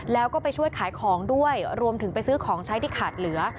แล้วก็ไปช่วยขายของด้วยรวมถึงไปซื้อของใช้ที่ขาดเหลือ